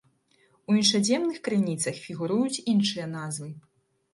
У іншаземных крыніцах фігуруюць іншыя назвы.